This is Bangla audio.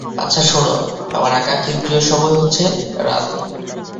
আচ্ছা, শোনো, আমার আঁকাআঁকির প্রিয় সময় হচ্ছে রাতে।